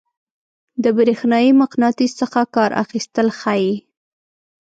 د برېښنايي مقناطیس څخه کار اخیستل ښيي.